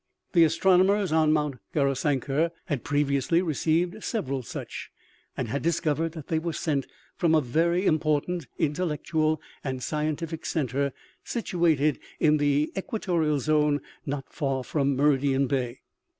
The astronomers on Mt. Gaurisankar had previously received several such, and had discovered that they were sent from a very im portant, intellectual and scientific center situated in the equatorial zone not far from Meridian bay.